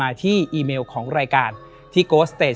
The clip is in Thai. และยินดีต้อนรับทุกท่านเข้าสู่เดือนพฤษภาคมครับ